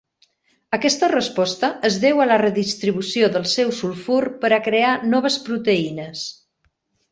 Aquesta resposta és deu a la redistribució del seu sulfur per a crear noves proteïnes.